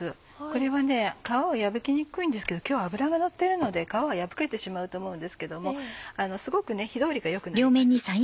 これは皮は破けにくいんですけど今日は脂がのってるので皮は破けてしまうと思うんですけどもすごく火通りが良くなります。